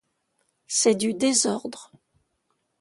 C'est du désordre.